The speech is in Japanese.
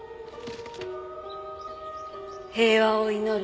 平和を祈る